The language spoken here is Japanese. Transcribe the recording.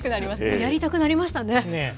やりたくなりましたね。